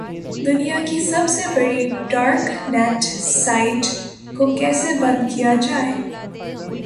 دنیا کی سب سے بڑی ڈارک نیٹ سائٹ کو کیسے بند کیا گیا؟